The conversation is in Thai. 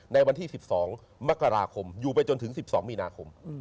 ในวันที่๑๒มกราคมอยู่ไปจนถึง๑๒มีนาคม